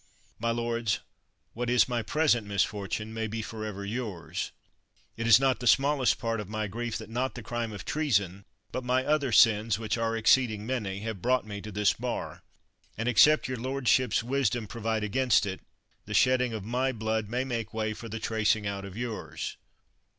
My lords, what is my present misfortune may be forever yours ! It is not the smallest part of my grief that not the crime of treason, but my other sins, which are exceeding many, have brought me to this bar; and, except your lord ships ' wisdom provide against it, the shedding of my blood may make way for the tracing out of yours.